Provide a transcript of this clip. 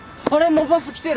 もうバス来てる！